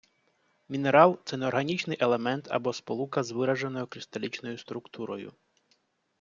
Мінерал - це неорганічний елемент, або сполука з вираженою кристалічною структурою